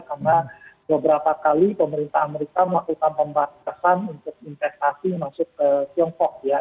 karena beberapa kali pemerintah amerika melakukan pembatasan untuk investasi masuk ke tiongkok ya